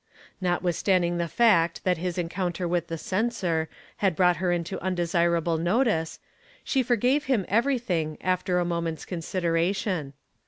Notwithstanding the fact that his encounter with "The Censor" had brought her into undesirable notice, she forgave him everything after a moment's consideration.